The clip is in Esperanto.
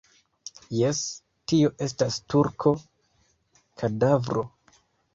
Jes, tio estas turko, kadavro.